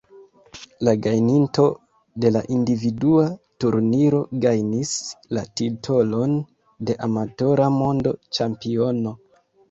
La gajninto de la individua turniro gajnis la titolon de Amatora Monda Ĉampiono.